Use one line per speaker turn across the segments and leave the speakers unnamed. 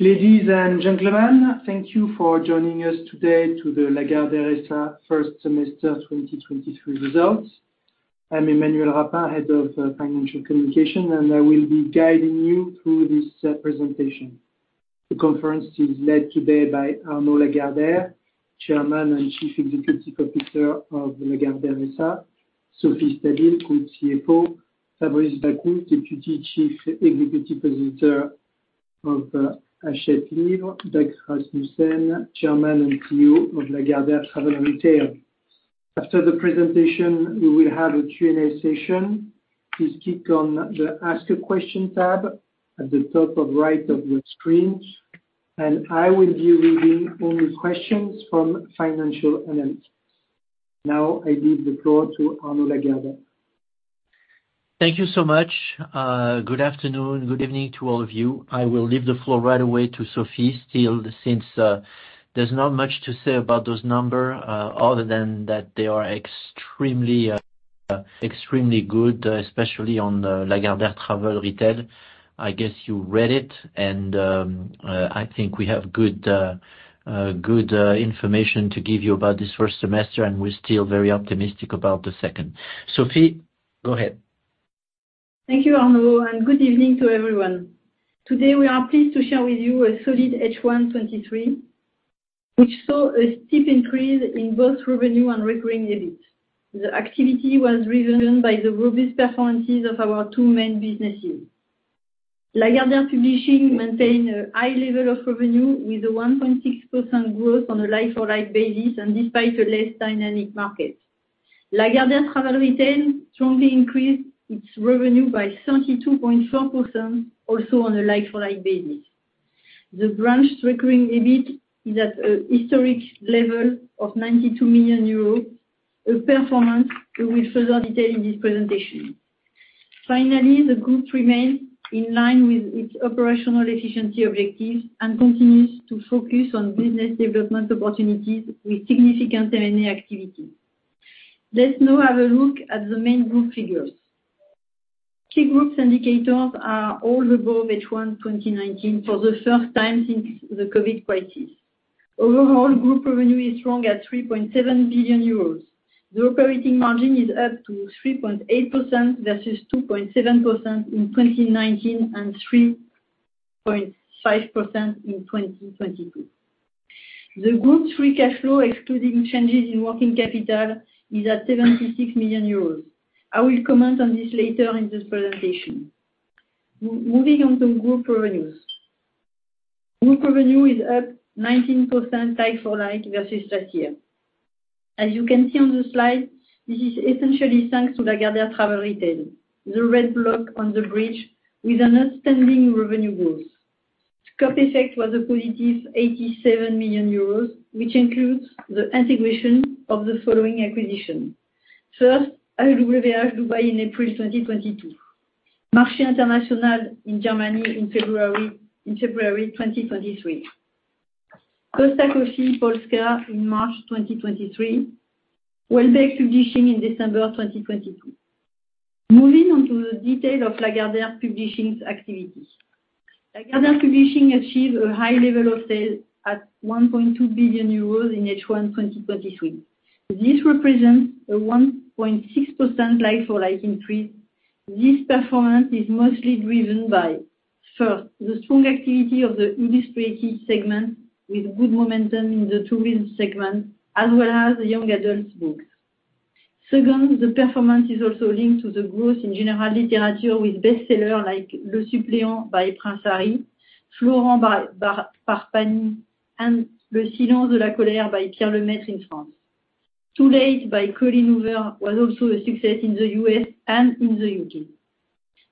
Ladies and gentlemen, thank you for joining us today to the Lagardère SA first semester 2023 results. I'm Emmanuel Rapin, Head of Financial Communication, I will be guiding you through this presentation. The conference is led today by Arnaud Lagardère, Chairman and Chief Executive Officer of the Lagardère SA, Sophie Stabile, Group CFO, Fabrice Bakhouche, Deputy Chief Executive Officer of Hachette Livre, Dag Rasmussen, Chairman and CEO of Lagardère Travel Retail. After the presentation, we will have a Q&A session. Please click on the Ask a Question tab at the top of right of your screen, I will be reading only questions from financial analysts. Now, I give the floor to Arnaud Lagardère.
Thank you so much. Good afternoon, good evening to all of you. I will leave the floor right away to Sophie Stabile, since there's not much to say about those number, other than that they are extremely good, especially on Lagardère Travel Retail. I guess you read it. I think we have good information to give you about this first semester, and we're still very optimistic about the second. Sophie, go ahead.
Thank you, Arnaud, good evening to everyone. Today, we are pleased to share with you a solid H1 '23, which saw a steep increase in both revenue and recurring EBIT. The activity was driven by the robust performances of our two main businesses. Lagardère Publishing maintained a high level of revenue, with a 1.6% growth on a like-for-like basis, despite a less dynamic market. Lagardère Travel Retail strongly increased its revenue by 32.4%, also on a like-for-like basis. The branch recurring EBIT is at a historic level of 92,000,000 euros, a performance we will further detail in this presentation. Finally, the group remains in line with its operational efficiency objectives and continues to focus on business development opportunities with significant M&A activity. Let's now have a look at the main group figures. Key groups indicators are all above H1 2019 for the first time since the COVID crisis. Overall, group revenue is strong at 3,700,000,000 euros. The operating margin is up to 3.8% versus 2.7% in 2019, and 3.5% in 2022. The group's free cash flow, excluding changes in working capital, is at 76,000,000 euros. I will comment on this later in this presentation. Moving on to group revenues. Group revenue is up 19% like-for-like versus last year. As you can see on the slide, this is essentially thanks to Lagardère Travel Retail, the red block on the bridge, with an outstanding revenue growth. Scope effect was a positive 87,000,000 euros, which includes the integration of the following acquisition: First, Al Ghurair Dubai in April 2022, Marché International in Germany in February 2023. Costa Coffee Polska in March 2023. Welbeck Publishing in December 2022. Moving on to the detail of Lagardère Publishing's activities. Lagardère Publishing achieved a high level of sales at 1,200,000,000 euros in H1 2023. This represents a 1.6% like-for-like increase. This performance is mostly driven by, first, the strong activity of the illustrated segment, with good momentum in the tourism segment, as well as the young adult books. Second, the performance is also linked to the growth in general literature with bestseller like Le Suppléant by Prince Harry, Pagny par Florent, and Le Silence de la Colère by Pierre Lemaitre in France. Too Late by Colleen Hoover was also a success in the U.S. and in the U.K.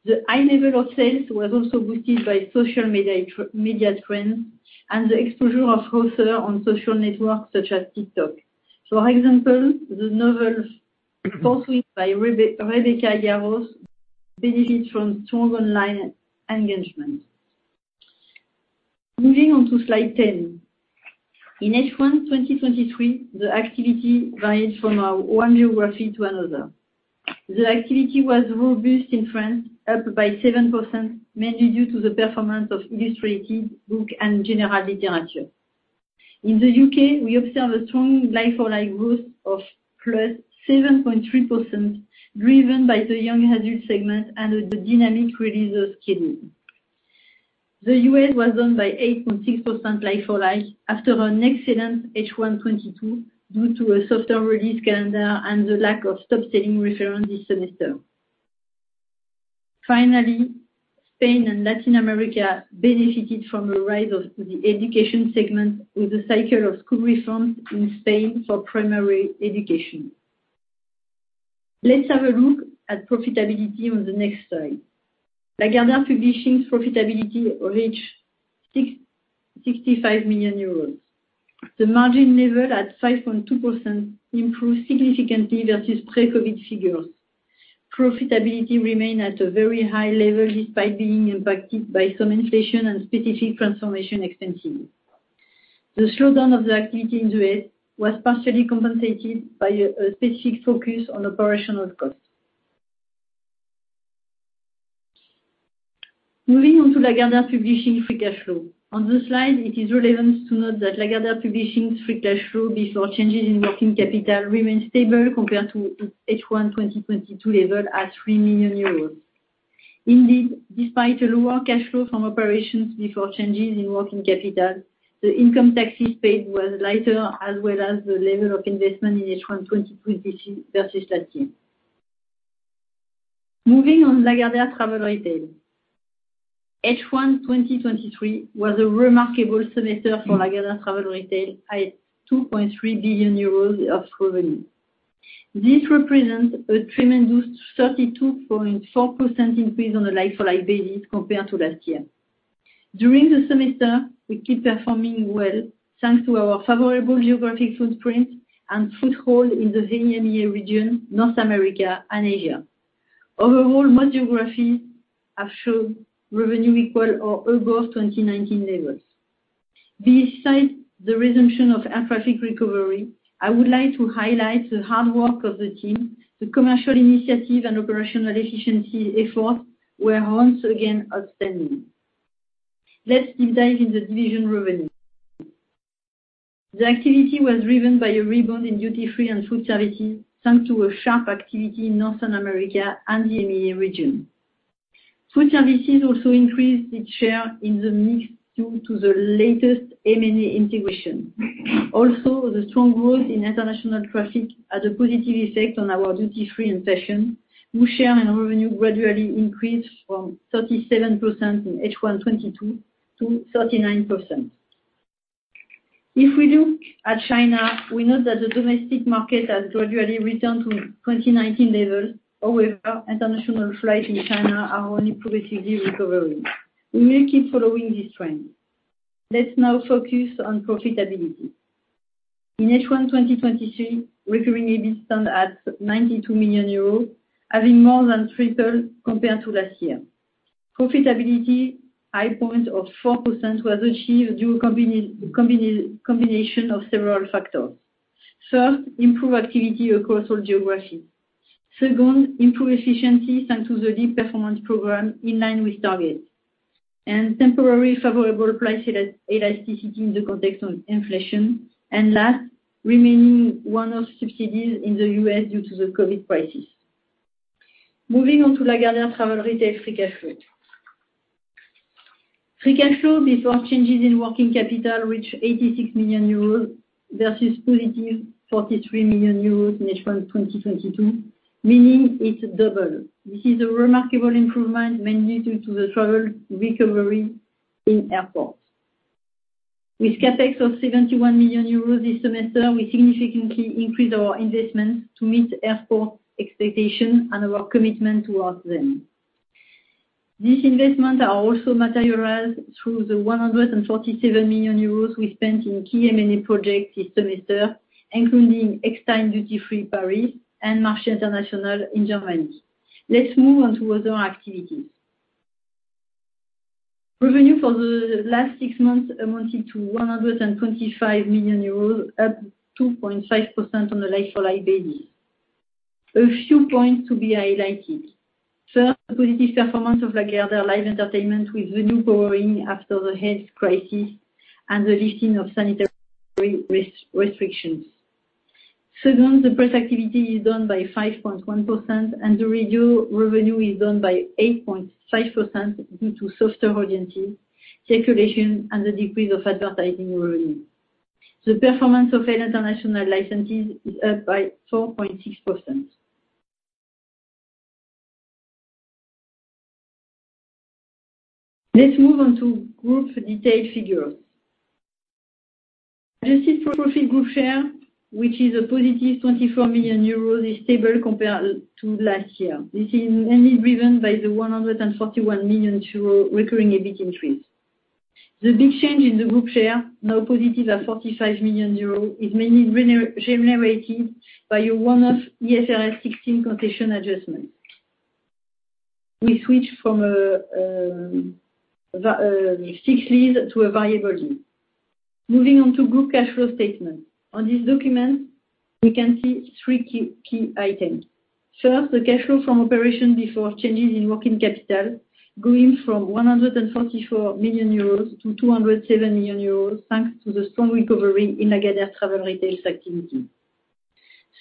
The high level of sales was also boosted by social media trends and the exposure of authors on social networks, such as TikTok. For example, the novel Fourth Wing by Rebecca Yarros benefited from strong online engagement. Moving on to slide 10. In H1 2023, the activity varied from one geography to another. The activity was robust in France, up by 7%, mainly due to the performance of illustrated book and general literature. In the U.K., we observed a strong like-for-like growth of +7.3%, driven by the young adult segment and the dynamic release of scheduling. The U.S. was down by 8.6% like-for-like, after an excellent H1 2022, due to a softer release calendar and the lack of top-selling reference this semester. Finally, Spain and Latin America benefited from a rise of the education segment, with a cycle of school reforms in Spain for primary education. Let's have a look at profitability on the next slide. Lagardère Publishing's profitability reached EUR 65,000,000. The margin level at 5.2% improved significantly versus pre-COVID figures. Profitability remained at a very high level, despite being impacted by some inflation and specific transformation expenses. The slowdown of the activity in the U.S. was partially compensated by a specific focus on operational costs. Moving on to Lagardère Publishing free cash flow. On this slide, it is relevant to note that Lagardère Publishing's free cash flow before changes in working capital remains stable compared to H1 2022 level at 3,000,000 euros. Despite a lower cash flow from operations before changes in working capital, the income taxes paid was lighter, as well as the level of investment in H1 2023 versus last year. Moving on Lagardère Travel Retail. H1 2023 was a remarkable semester for Lagardère Travel Retail at 2,300,000,000 euros of revenue. This represents a tremendous 32.4% increase on a like-for-like basis compared to last year. During the semester, we keep performing well, thanks to our favorable geographic footprint and foothold in the EMEA region, North America, and Asia. My geography have showed revenue equal or above 2019 levels. Besides the resumption of air traffic recovery, I would like to highlight the hard work of the team, the commercial initiative and operational efficiency efforts were once again outstanding. Let's deep dive in the division revenue. The activity was driven by a rebound in duty free and food services, thanks to a sharp activity in Northern America and the EMEA region. Food services also increased its share in the mix due to the latest M&A integration. Also, the strong growth in international traffic had a positive effect on our duty-free and fashion, who share in our revenue gradually increased from 37% in H1 2022 to 39%. If we look at China, we note that the domestic market has gradually returned to 2019 level. However, international flights in China are only progressively recovering. We may keep following this trend. Let's now focus on profitability. In H1 2023, recurring EBIT stand at 92,000,000 euros, having more than tripled compared to last year. Profitability, high point of 4% was achieved due combination of several factors. First, improved activity across all geographies. Second, improved efficiency, thanks to the lead performance program in line with targets, and temporary favorable price elasticity in the context of inflation. Last, remaining one of subsidies in the U.S. due to the COVID crisis. Moving on to Lagardère Travel Retail free cash flow. Free cash flow before changes in working capital, reached 86,000,000 euros, versus positive 43,000,000 euros in H1 2022, meaning it's double. This is a remarkable improvement, mainly due to the travel recovery in airports. With CapEx of 71,000,000 euros this semester, we significantly increased our investments to meet airport expectations and our commitment towards them. These investments are also materialized through the 147,000,000 euros we spent in key M&A projects this semester, including Extime Duty Free Paris and Marché International in Germany. Let's move on to other activities. Revenue for the last six months amounted to 125,000,000 euros, up 2.5% on a like-for-like basis. A few points to be highlighted. First, positive performance of Lagardère Live Entertainment, with the new powering after the health crisis and the lifting of sanitary restrictions. Second, the press activity is down by 5.1%. The radio revenue is down by 8.5% due to softer audience circulation and the decrease of advertising revenue. The performance of ELLE International licenses is up by 4.6%. Let's move on to group detailed figures. Adjusted profit group share, which is a positive 24,000,000 euros, is stable compared to last year. This is mainly driven by the 141,000,000 euro recurring EBIT increase. The big change in the group share, now positive at 45,000,000 euros, is mainly generated by a one-off IFRS 16 competition adjustment. We switched from a fixed lease to a variable lease. Moving on to group cash flow statement. On this document, we can see three key items. First, the cash flow from operation before changes in working capital, going from 144,000,000-207,000,000 euros, thanks to the strong recovery in Lagardère Travel Retail's activity.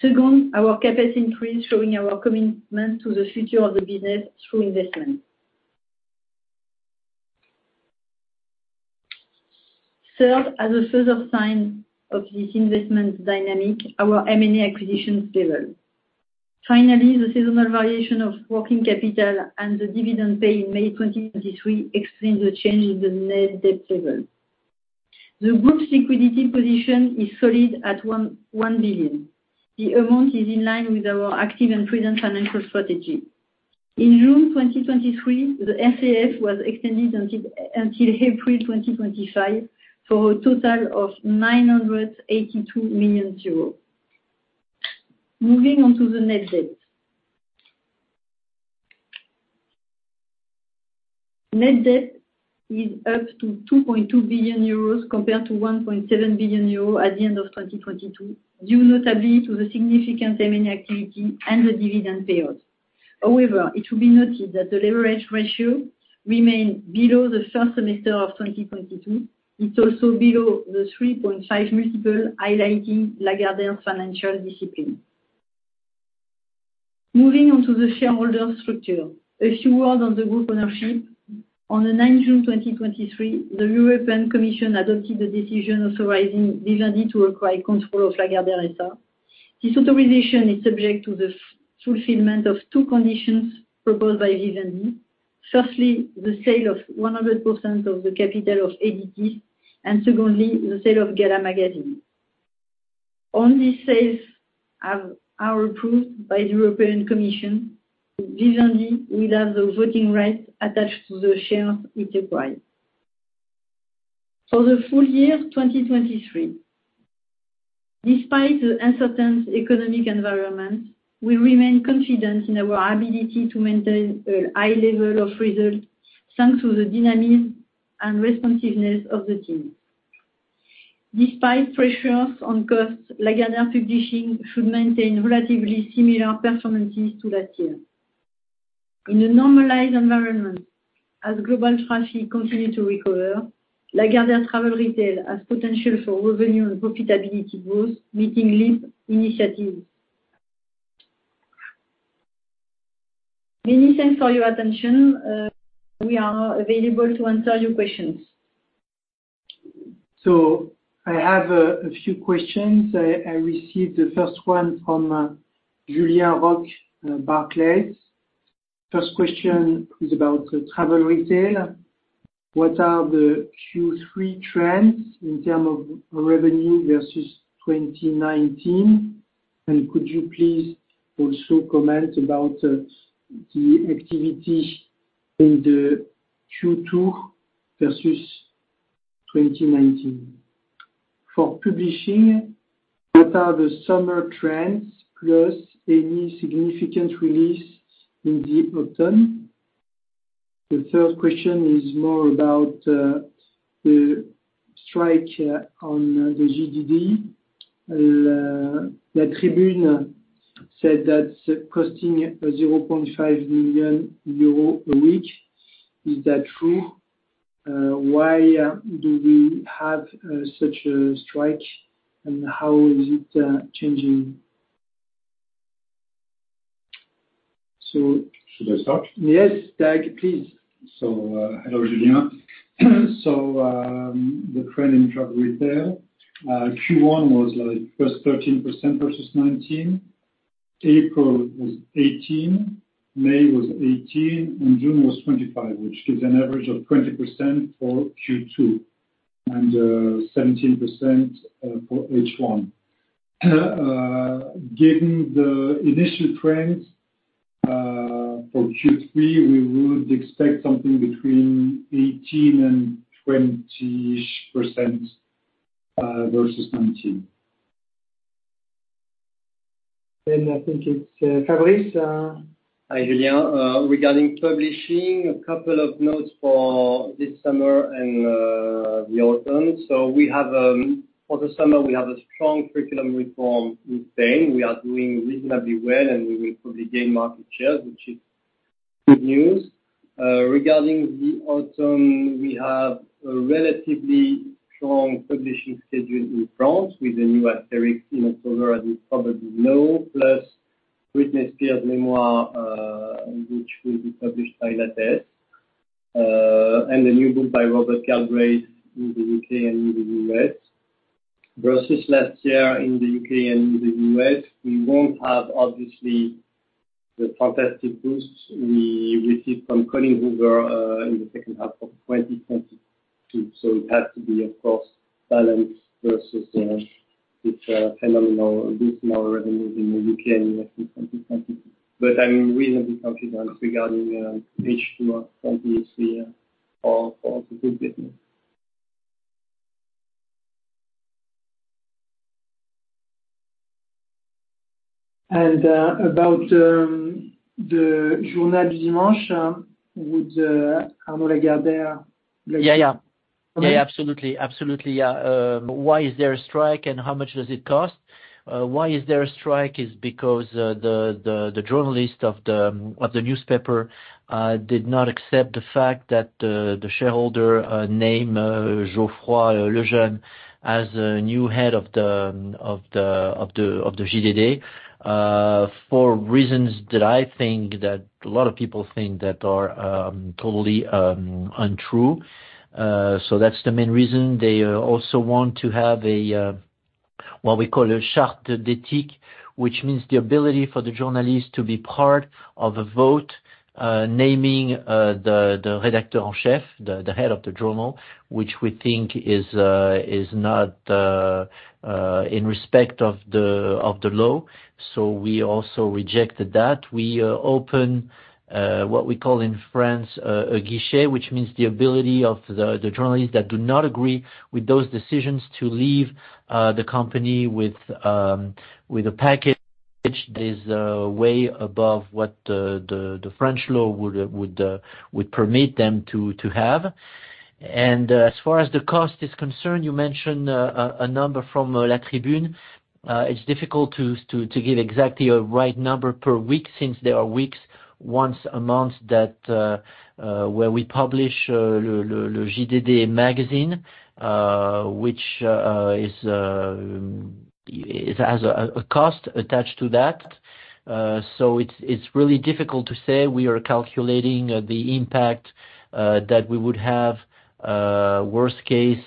Second, our CapEx increase, showing our commitment to the future of the business through investment. Third, as a further sign of this investment dynamic, our M&A acquisition stable. The seasonal variation of working capital and the dividend paid in May 2023 explain the change in the net debt level. The group's liquidity position is solid at 1,100,000,000 The amount is in line with our active and prudent financial strategy. In June 2023, the SAF was extended until April 2025, for a total of 982,000,000 euros. Net debt is up to 2,200,000,000 euros compared to 1,700,000,000 euros at the end of 2022, due notably to the significant M&A activity and the dividend payout. It should be noted that the leverage ratio remained below the first semester of 2022. It's also below the 3.5x multiple, highlighting Lagardère's financial discipline. Moving on to the shareholder structure. A few words on the group ownership. On the 9th June 2023, the European Commission adopted the decision authorizing Vivendi to acquire control of Lagardère S.A. This authorization is subject to the fulfillment of two conditions proposed by Vivendi. Firstly, the sale of 100% of the capital of ADP, secondly, the sale of Gala Magazine. On these sales are approved by the European Commission, Vivendi will have the voting rights attached to the shares it acquired. For the full year 2023, despite the uncertain economic environment, we remain confident in our ability to maintain a high level of result, thanks to the dynamism and responsiveness of the team. Despite pressures on costs, Lagardère Publishing should maintain relatively similar performances to last year. In a normalized environment, as global traffic continue to recover, Lagardère Travel Retail has potential for revenue and profitability growth, meeting LEAP initiatives. Many thanks for your attention. We are available to answer your questions.
I have a few questions. I received the first one from Julien Roch, Barclays. First question is about the travel retail. What are the Q3 trends in terms of revenue versus 2019? Could you please also comment about the activity in the Q2 versus 2019? For publishing, what are the summer trends, plus any significant releases in the autumn? The third question is more about the strike on the JDD. La Tribune said that's costing 500,000 euro a week. Is that true? Why do we have such a strike, and how is it changing?
Should I start?
Yes, Dag, please.
Hello, Julia. The trend in travel retail Q1 was like +13% versus 2019, April was 18%, May was 18%, and June was 25%, which gives an average of 20% for Q2, and 17% for H1. Given the initial trends for Q3, we would expect something between 18% and 20-ish% versus 2019.
I think it's Fabrice.
Hi, Julia. Regarding publishing, a couple of notes for this summer and the autumn. We have for the summer, we have a strong curriculum reform in Spain. We are doing reasonably well, and we will probably gain market shares, which is good news. Regarding the autumn, we have a relatively strong publishing schedule in France, with a new Asterix in October, as you probably know, plus Britney Spears' memoir, which will be published by La Terre, and a new book by Robert Galbraith in the U.K. and in the U.S. Versus last year in the U.K. and in the U.S., we won't have obviously the fantastic boost we received from Colleen Hoover in the second half of 2022. It had to be, of course, balanced versus this phenomenal boost in our revenues in the U.K. in 2020. I'm reasonably confident regarding H2 of 2023 for the good business.
about the Journal du Dimanche, would Arnaud Lagardère
Yeah, yeah.
Okay.
Absolutely. Absolutely. Why is there a strike, and how much does it cost? Why is there a strike is because the journalist of the newspaper did not accept the fact that the shareholder named Geoffroy Lejeune as a new head of the JDD for reasons that I think that a lot of people think that are totally untrue. That's the main reason. They also want to have a what we call a charte d'éthique, which means the ability for the journalists to be part of a vote, naming the rédacteur en chef, the head of the journal, which we think is not in respect of the law. We also rejected that. We opened what we call in France a guichet, which means the ability of the journalists that do not agree with those decisions to leave the company with a package which is way above what the French law would permit them to have. As far as the cost is concerned, you mentioned a number from La Tribune. It's difficult to give exactly a right number per week since there are weeks, once a month, that where we publish le JDD magazine, which is it has a cost attached to that. It's really difficult to say. We are calculating the impact that we would have worst case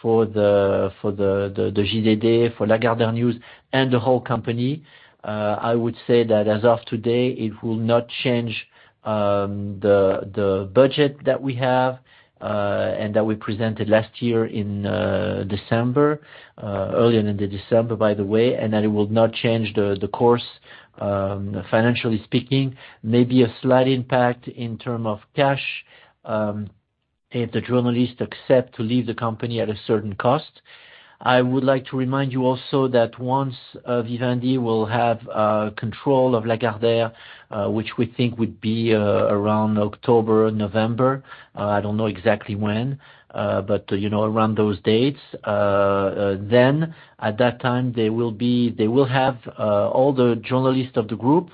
for the JDD, for Lagardère News, and the whole company. I would say that as of today, it will not change the budget that we have and that we presented last year in December earlier in the December, by the way, and that it will not change the course financially speaking. Maybe a slight impact in terms of cash if the journalists accept to leave the company at a certain cost. I would like to remind you also that once Vivendi will have control of Lagardère, which we think would be around October or November. I don't know exactly when, but, you know, around those dates, then at that time, they will have all the journalists of the group.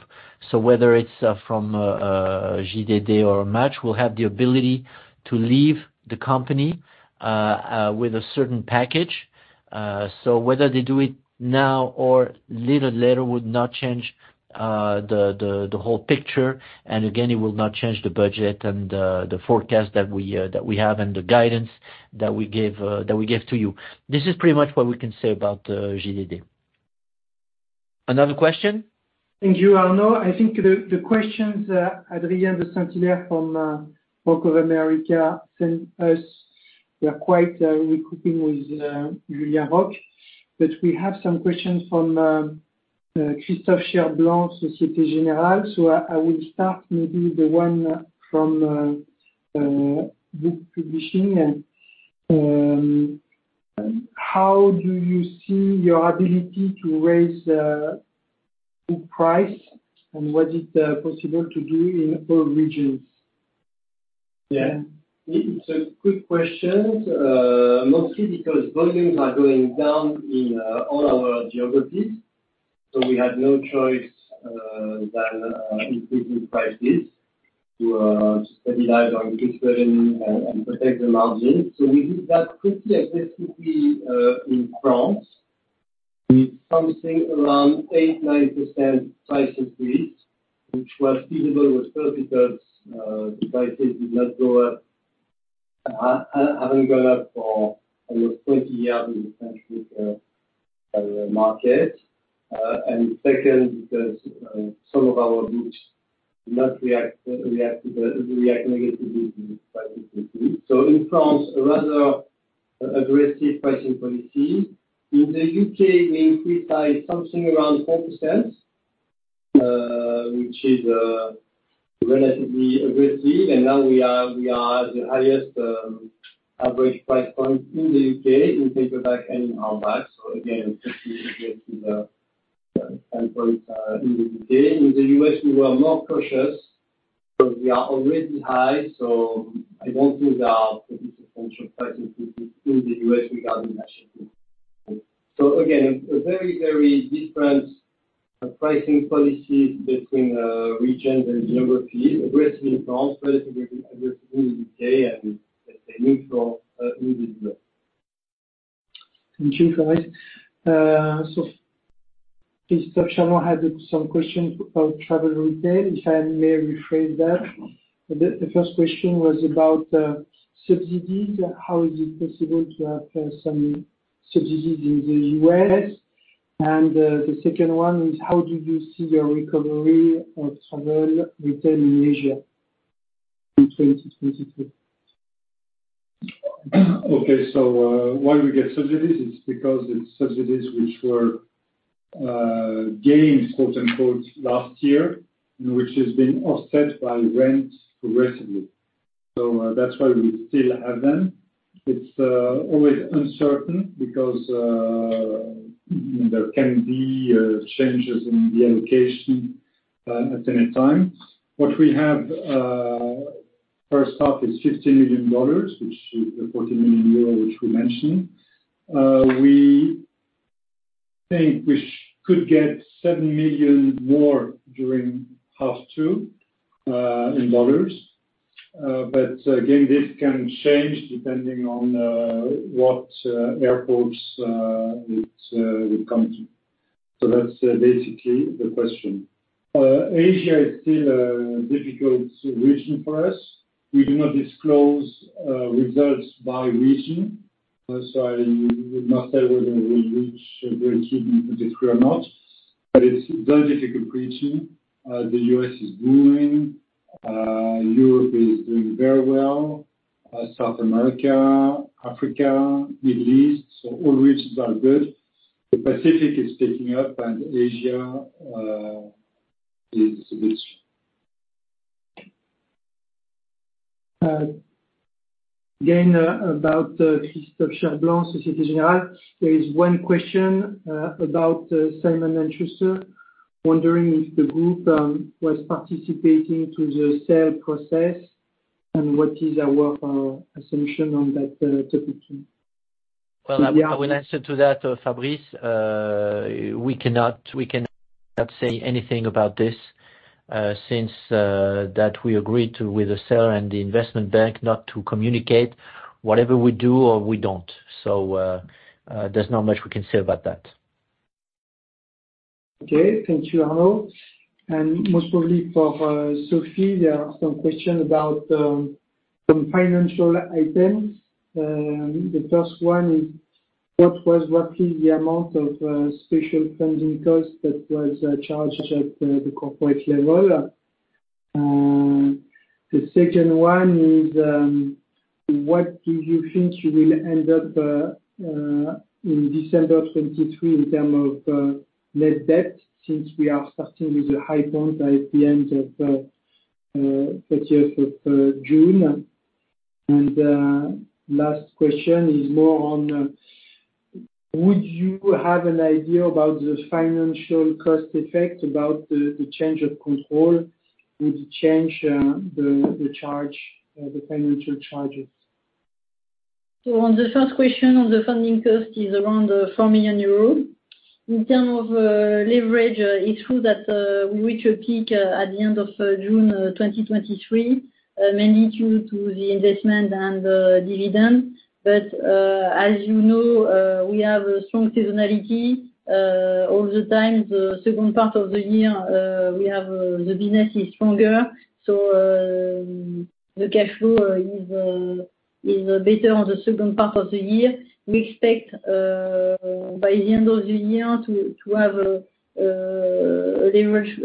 Whether it's from JDD or Match, will have the ability to leave the company with a certain package. Whether they do it now or little later, would not change the whole picture. Again, it will not change the budget and the forecast that we have and the guidance that we gave to you. This is pretty much what we can say about JDD. Another question?
Thank you, Arnaud. I think the questions Adrien de Saint-Hilaire from Bank of America sent us, they are quite recouping with Julien Roch. We have some questions from Christophe Cherblanc, Société Générale. I will start maybe the one from book publishing and how do you see your ability to raise book price, and what is possible to do in all regions?
Yeah, it's a good question. Mostly because volumes are going down in all our geographies. We had no choice than increasing prices to stabilize our inflation and protect the margin. We did that pretty aggressively in France, with something around 8%-9% price increase, which was feasible with us because the prices did not go up, haven't gone up for almost 20 years in the French book market. Second, because some of our books did not react negatively to the price increase. In France, a rather aggressive pricing policy. In the UK, we increased by something around 4%, which is relatively aggressive, and now we are the highest average price point in the UK, in paperback and hardback. In the end point in the UK. In the US, we were more cautious, so we are already high, so I don't think there are potential pricing in the US regarding that shipping. A very, very different pricing policy between regions and geographies. Aggressive in France, relatively aggressive in the UK, and neutral in the US.
Thank you, guys. So Christophe Cherblanc had some questions about travel retail. If I may rephrase that, the first question was about subsidies. How is it possible to have some subsidies in the U.S.? The second one is, how do you see the recovery of travel retail in Asia in 2022?
Okay, why we get subsidies, it's because it's subsidies which were gained, quote, unquote, "last year," and which has been offset by rent aggressively. That's why we still have them. It's always uncertain because there can be changes in the allocation at any time. What we have, first half is $50,000,000, which is 14,000,000 euro, which we mentioned. We think we could get $7,000,000 more during half two in dollars. Again, this can change depending on what airports it would come to. That's basically the question. Asia is still a difficult region for us. We do not disclose results by region, so I would not say whether we reach very significant or not, but it's a very difficult region. The US is booming. Europe is doing very well. South America, Africa, Middle East. All regions are good. The Pacific is picking up. Asia is a bit flat.
Again, about. There is 1 question about Simon & Schuster, wondering if the group was participating to the sale process, and what is our assumption on that topic?
Well, I will answer to that, Fabrice. We cannot say anything about this since that we agreed to with the seller and the investment bank not to communicate whatever we do or we don't. There's not much we can say about that.
Okay, thank you, Arnaud. Most probably for Sophie, there are some questions about some financial items. The first one is, what was roughly the amount of special funding cost that was charged at the corporate level? The second one is, what do you think you will end up in December of 23 in terms of net debt, since we are starting with a high point at the end of 30th of June? Last question is more on, would you have an idea about the financial cost effect, about the change of control, would it change the charge, the financial charges?
On the first question, on the funding cost is around 4,000,000 euros. In terms of leverage, it's true that we reach a peak at the end of June 2023, mainly due to the investment and dividend. As you know, we have a strong seasonality. All the time, the second part of the year, we have the business is stronger, so the cash flow is better on the second part of the year. We expect by the end of the year to have a leverage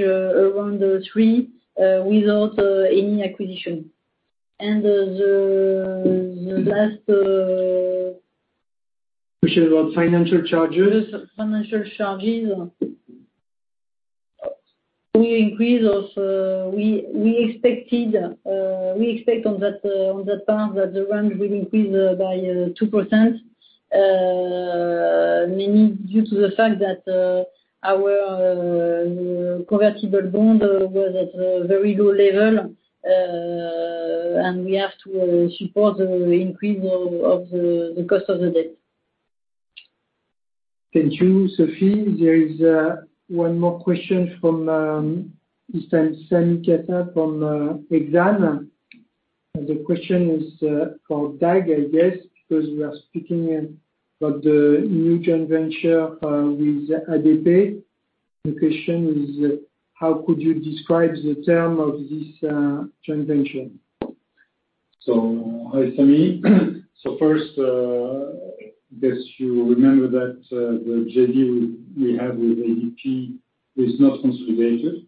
around 3 without any acquisition. The last.
Question about financial charges.
Financial charges. We increase also, we expected, we expect on that, on that part, that the range will increase by 2%, mainly due to the fact that our convertible bond was at a very low level. We have to support the increase of the cost of the debt.
Thank you, Sophie. There is one more question from this Sami Kettab from Exane. The question is for Dag, I guess, because we are speaking about the new joint venture with ADP. The question is, how could you describe the term of this joint venture?
Hi, Sammy. First, guess you remember that the JD we have with ADP is not consolidated.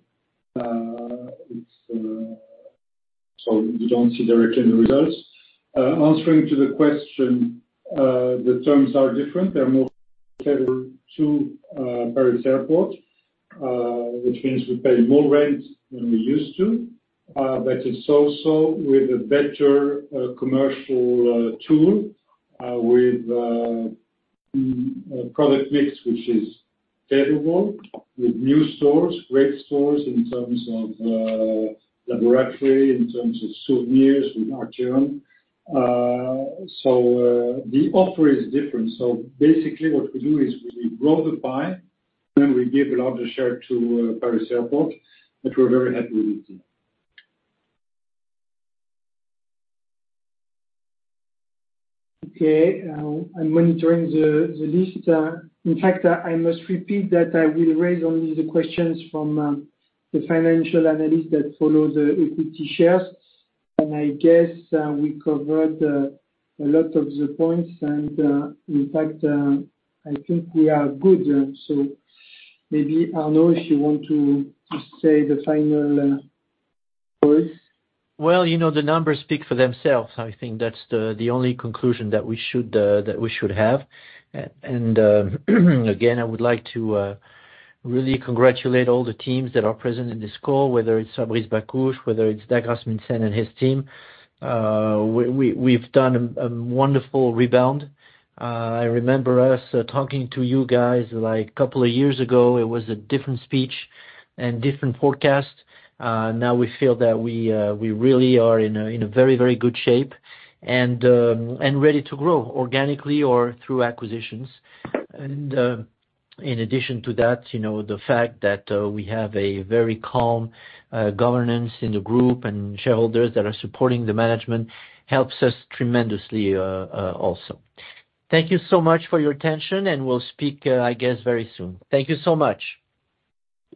We don't see directly the results. Answering to the question, the terms are different. They're more favorable to Paris Aéroport, which means we pay more rent than we used to. It's also with a better commercial tool, with a product mix, which is favorable, with new stores, great stores in terms of the brewery, in terms of souvenirs with Arc'teryx. The offer is different. Basically, what we do is we grow the pie, then we give a larger share to Paris Aéroport, but we're very happy with it.
Okay, I'm monitoring the list. In fact, I must repeat that I will raise only the questions from the financial analysts that follow the equity shares. I guess, we covered a lot of the points and, in fact, I think we are good. Maybe, Arnaud, if you want to just say the final words.
Well, you know, the numbers speak for themselves. I think that's the only conclusion that we should that we should have. Again, I would like to really congratulate all the teams that are present in this call, whether it's Fabrice Bakhouche, whether it's Dag Rasmussen and his team. We've done a wonderful rebound. I remember us talking to you guys, like, 2 years ago, it was a different speech and different forecast. Now we feel that we really are in a very, very good shape and ready to grow organically or through acquisitions. In addition to that, you know, the fact that we have a very calm governance in the group, and shareholders that are supporting the management helps us tremendously also. Thank you so much for your attention, we'll speak, I guess, very soon. Thank you so much!